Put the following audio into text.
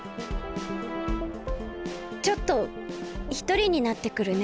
ちょっとひとりになってくるね。